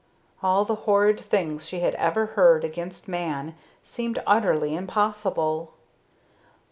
All the horrid things she had ever heard against man seemed utterly impossible.